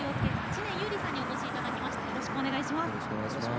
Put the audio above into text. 知念侑李さんにお越しいただきました。